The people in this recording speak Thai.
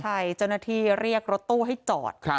ใช่จนนาทีเรียกรถตู้ให้จอด